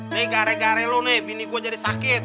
nih gara gara relu nih bini gue jadi sakit